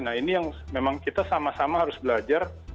nah ini yang memang kita sama sama harus belajar